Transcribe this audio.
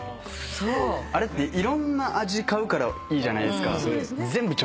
あれっていろんな味買うからいいじゃないっすか。